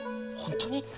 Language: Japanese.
本当に？